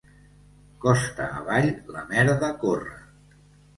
Costa avall, la merda corre.